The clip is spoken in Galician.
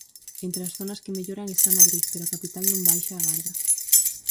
Entre as zonas que melloran está Madrid pero a capital non baixa a garda.